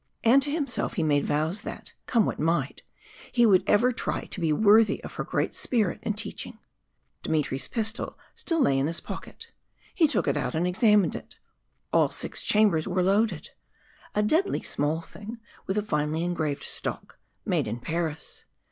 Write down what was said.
And to himself he made vows that, come what might, he would ever try to be worthy of her great spirit and teaching. Dmitry's pistol still lay in his pocket; he took it out and examined it all six chambers were loaded. A deadly small thing, with a finely engraved stock made in Paris.